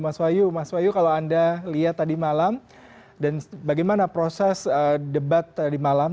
mas wayu kalau anda lihat tadi malam dan bagaimana proses debat tadi malam